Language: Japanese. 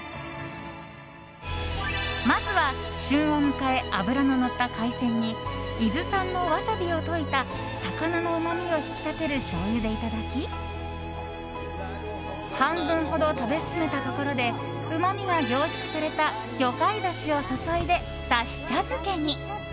まずは旬を迎え脂ののった海鮮に伊豆産のワサビを溶いた魚のうまみを引き立てるしょうゆでいただき半分ほど食べ進めたところでうまみが凝縮された魚介だしを注いで、だし茶漬けに。